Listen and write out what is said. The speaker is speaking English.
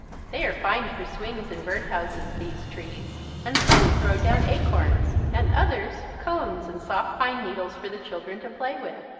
They are fine for swings and bird houses, these trees, and some throw down acorns and others cones and soft pine needles for the children to play with.